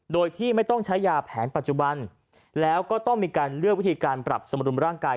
โดยที่ไม่ต้องใช้ยาแผนปัจจุบันแล้วก็ต้องมีการเลือกวิธีการปรับสมรุมร่างกาย